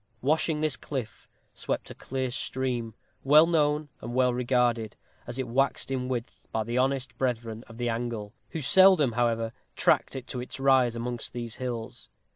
Washing this cliff, swept a clear stream, well known and well regarded, as it waxed in width, by the honest brethren of the angle, who seldom, however, tracked it to its rise amongst these hills.